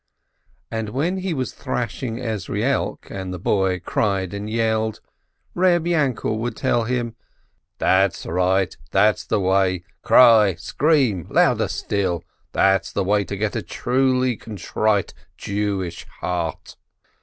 And when he was thrashing Ezrielk, and the boy cried and yelled, Eeb Yainkel would tell him : "That's right, that's the way ! Cry, scream — louder still ! That's the way to get a truly contrite Jewish heart